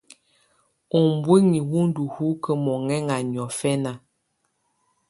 Ubuinyii wù ndù hukǝ́ muhɛŋa niɔ̀fɛna.